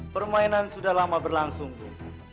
permainan sudah lama berlangsung bu